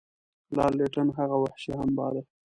لارډ لیټن هغه وحشي هم باله.